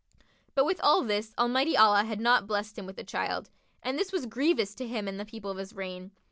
But, with all this, Almighty Allah had not blessed him with a child, and this was grievous to him and to the people of his reign.